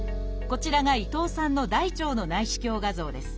こちらが伊藤さんの大腸の内視鏡画像です。